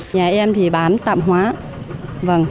nhà em thì bán tạm hóa